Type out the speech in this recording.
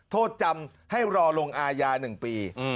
โทษจำให้รอลงอายา๑ปี